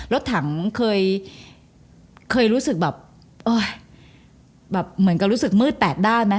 รถถังเคยรู้สึกแบบเหมือนกับรู้สึกมืดแปดด้านไหม